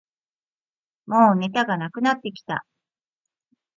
もうネタがなくなってきた